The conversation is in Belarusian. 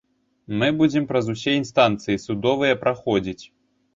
Мы будзем праз усе інстанцыі судовыя праходзіць.